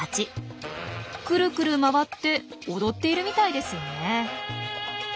クルクル回って踊っているみたいですよね。